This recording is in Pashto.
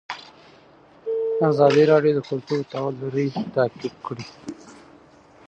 ازادي راډیو د کلتور د تحول لړۍ تعقیب کړې.